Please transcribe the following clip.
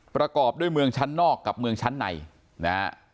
ประกอบด้วยเมืองชั้นนอกกับเมืองชั้นในนะฮะ